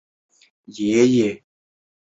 强巴拉康是一座格鲁派寺院。